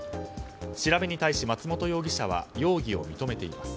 調べに対し、松本容疑者は容疑を認めています。